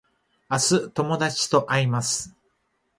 明日友達と会います